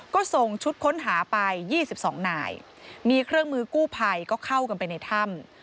ก็ส่งชุดค้นหาไป๒๒นายมีเครื่องมือกู้ภัยก็เข้ากันไปในถ้ำ